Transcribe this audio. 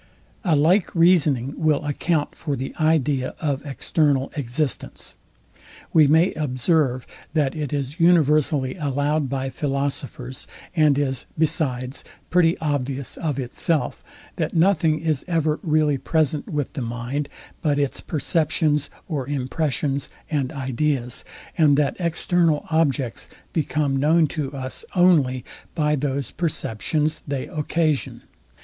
7. A like reasoning will account for the idea of external existence. We may observe, that it is universally allowed by philosophers, and is besides pretty obvious of itself, that nothing is ever really present with the mind but its perceptions or impressions and ideas, and that external objects become known to us only by those perceptions they occasion.